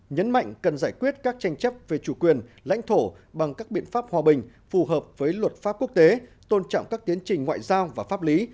nhấn mạnh cần giải quyết các tranh chấp về chủ quyền lãnh thổ bằng các biện pháp hòa bình phù hợp với luật pháp quốc tế tôn trọng các tiến trình ngoại giao và pháp lý